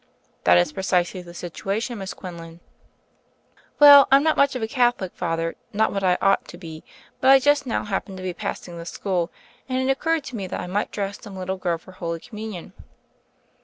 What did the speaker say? "That is precisely the situation, Miss Quinic^n." "Well, I'm not much of a Catholic, Father, not what I ought to be, but I just now hap pened to be passing the school, and it occurred to me that I might dress some little girl for Holy Communion."